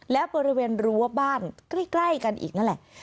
และบริเวณรั้วบ้านใกล้กันอีกนั่นแหละ